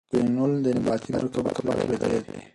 پولیفینول د نباتي مرکباتو له ډلې دي.